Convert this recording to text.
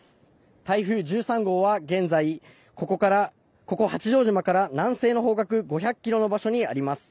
台風１３号は現在ここ八丈島から南西の方角５００ｋｍの場所にあります。